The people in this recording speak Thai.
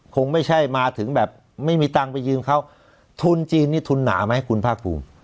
คงไม่ใช่มาถึงแบบไม่มีตังค์ไปยืมเขาทุนจีนนี่ทุนหนาไหมคุณภาคภูมิ